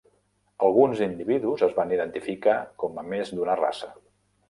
Alguns individus es van identificar com a més d'una raça.